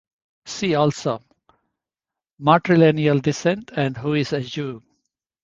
"See also:" Matrilineal descent and Who is a Jew?